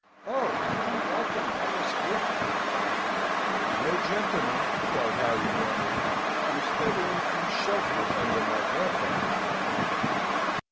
Oh, a pretty welcome I must give him!" "No gentleman," cried Harry, warmly, "was ever refused shelter under my grandfather's roof."